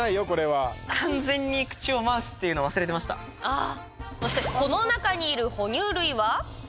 完全にそしてこの中にいるほ乳類は。